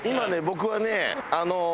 僕はね。